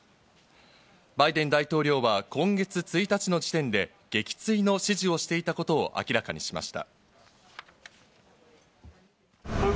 バイデン大統領は今月１日の時点で撃墜の指示をしていたことを明らかにしました。